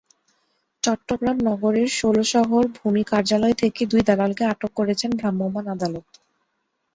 চট্টগ্রাম নগরের ষোলশহর ভূমি কার্যালয় থেকে দুই দালালকে আটক করেছেন ভ্রাম্যমাণ আদালত।